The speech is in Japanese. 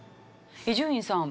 伊集院さん